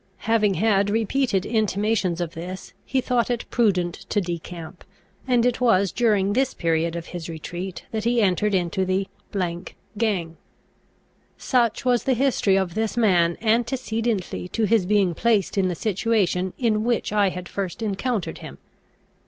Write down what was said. Having had repeated intimations of this, he thought it prudent to decamp; and it was during this period of his retreat that he entered into the gang. Such was the history of this man antecedently to his being placed in the situation in which I had first encountered him.